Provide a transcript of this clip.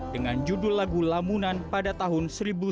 dengan judul lagu lamunan pada tahun seribu sembilan ratus sembilan puluh